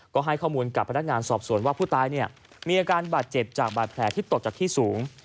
ก็ให้ข้อมูลกับพนักงานสอบสวนว่าผู้ตายมีอาการบาดเจ็บจากบาดแผลที่ตกจากที่สูง